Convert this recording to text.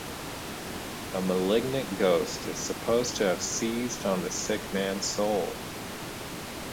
A malignant ghost is supposed to have seized on the sick man's soul.